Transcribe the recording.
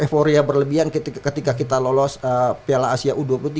euforia berlebihan ketika kita lolos piala asia u dua puluh tiga